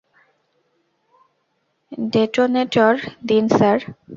Detonator দিন sir, please.